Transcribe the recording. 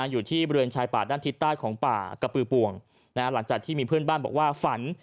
อยู่ที่บริเวณชายป่าด้านทิศใต้ของป่ากระปือปวงหลังจากที่มีเพื่อนบ้านบอกว่าฝัน